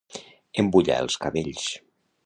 Embullar els cabells.